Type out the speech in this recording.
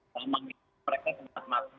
memang mereka semangat mangat